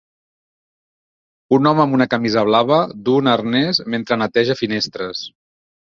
Un home amb una camisa blava duu un arnès mentre neteja finestres.